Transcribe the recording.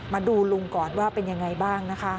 มาดูลุงก่อนว่าเป็นยังไงบ้างนะคะ